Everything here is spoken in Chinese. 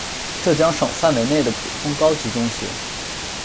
浙江省范围内的普通高级中学。